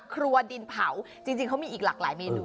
ครัวดินเผาจริงเขามีอีกหลากหลายเมนู